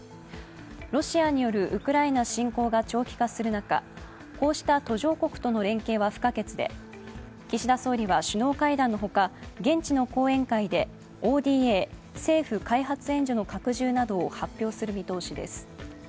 ロシアによるウクライナ侵攻が長期化する中、こうした途上国との連携は不可欠で、岸田総理は首脳会談のほか、現地の講演会でＯＤＡ＝政府開発援助の拡充などを発表する見通しです。